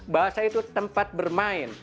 bahasa itu tempat bermain